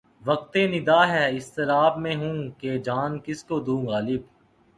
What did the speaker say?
وقت نِدا ہے اضطراب میں ہوں کہ جان کس کو دوں غالب